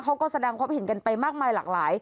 เขาก็แสดงความเห็นกันไปมากมายหลากหลาย